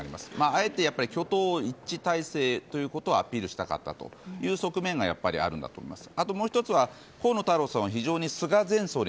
あえて挙党一致体制をアピールしたかったという側面があるんだと思います。